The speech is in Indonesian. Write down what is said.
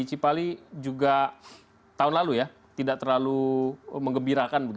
cipali juga tahun lalu ya tidak terlalu mengembirakan